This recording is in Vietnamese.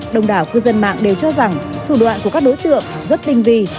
đồng đảo cư dân mạng đều cho rằng thủ đoạn của các đối tượng rất tinh vi